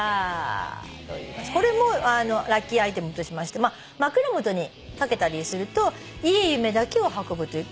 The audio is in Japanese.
これもラッキーアイテムとしまして枕元に掛けたりするといい夢だけを運ぶという。